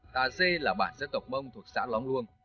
tà xê là bản dân tộc mông thuộc xã lóng luông